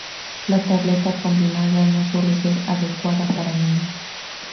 La tableta combinada no suele ser adecuada para niños.